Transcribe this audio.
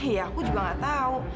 ya aku juga nggak tahu